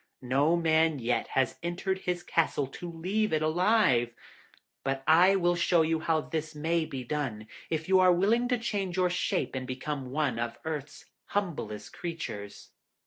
No man yet has entered his castle to leave it alive, but I will show you how this may be done, if you are willing to change your shape and become one of Earth's humblest creatures.'